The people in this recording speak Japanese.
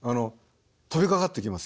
飛びかかってきますよ。